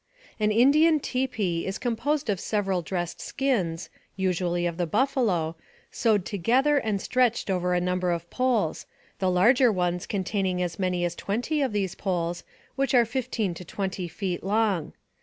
An Indian tipi is composed of several dressed skins, usually of the buffalo, sewed together and stretched over a number of poles, the larger ones containing aa 176 NARRATIVE OF CAPTIVITY many as twenty of these poles, which are fifteen tc twenty feet long.